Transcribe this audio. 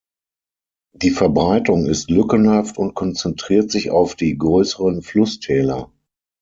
Die Verbreitung ist lückenhaft und konzentriert sich auf die größeren Flusstäler.